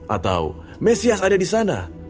atau mesias ada di sana